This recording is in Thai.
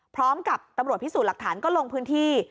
พร้อมกับตำรวจพิสูจน์หลักฐานก็ลงพื้นที่